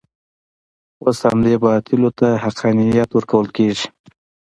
اوس همدې باطلو ته حقانیت ورکول کېږي.